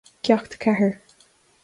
Ceacht a Ceathair